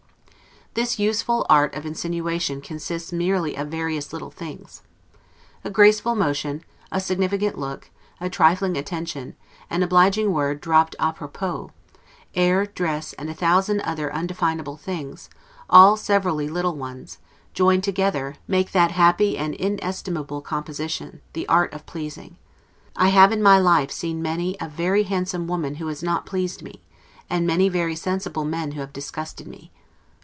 This useful art of insinuation consists merely of various little things. A graceful motion, a significant look, a trifling attention, an obliging word dropped 'a propos', air, dress, and a thousand other undefinable things, all severally little ones, joined together, make that happy and inestimable composition, THE ART OF PLEASING. I have in my life seen many a very handsome woman who has not pleased me, and many very sensible men who have disgusted me.